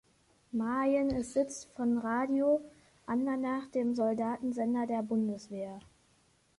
Mayen ist Sitz von Radio Andernach, dem Soldatensender der Bundeswehr.